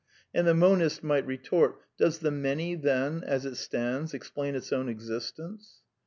And the monist might retort :^^ Does the Many, then, as it stands, explain its own existence